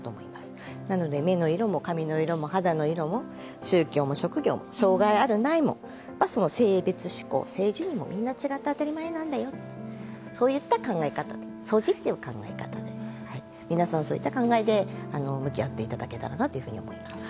なので目の色も髪の色も肌の色も宗教も職業も障がいあるないも性別指向性自認もみんな違って当たり前なんだよってそういった考え方でＳＯＧＩっていう考え方で皆さんそういった考えで向き合って頂けたらなというふうに思います。